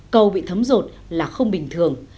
cầu bị thấm rột là không bình thường